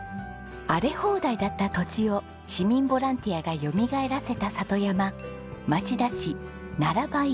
荒れ放題だった土地を市民ボランティアがよみがえらせた里山町田市奈良ばい